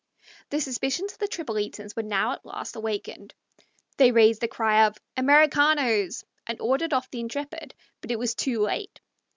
The suspicions of the Tripolitans were now at last awakened. They raised the cry of "Americanos!" and ordered off the Intrepid, but it was too late.